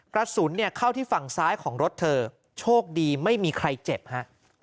กระสุนเนี่ยเข้าที่ฝั่งซ้ายของรถเธอโชคดีไม่มีใครเจ็บฮะ